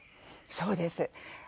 そうです。